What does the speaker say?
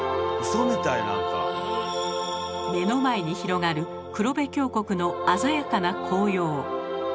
目の前に広がる黒部峡谷の鮮やかな紅葉。